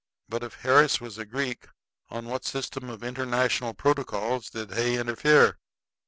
But if Harris was a Greek, on what system of international protocols did Hay interfere?"